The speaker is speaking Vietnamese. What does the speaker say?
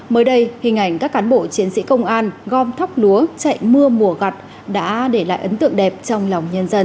mới đây hình ảnh các cán bộ chiến sĩ công an gom thóc lúa chạy mưa mùa gặt đã để lại ấn tượng đẹp trong lòng nhân dân